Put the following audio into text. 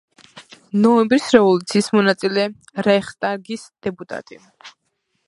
ნოემბრის რევოლუციის მონაწილე, რაიხსტაგის დეპუტატი.